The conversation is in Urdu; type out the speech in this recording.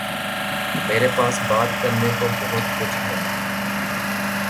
میرے پاس بات کرنے کو بہت کچھ ہے